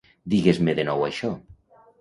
Digues-me de nou això.